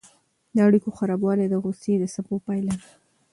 د اړیکو خرابوالی د غوسې د څپو پایله ده.